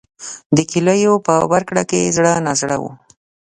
د کیلیو په ورکړه کې زړه نازړه و.